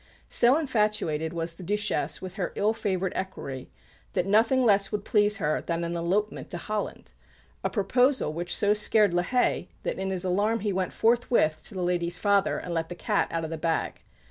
So infatuated was the Duchesse with her ill favoured equerry that nothing less would please her than an elopement to Holland a proposal which so scared La Haye that, in his alarm, he went forthwith to the lady's father and let the cat out of the bag.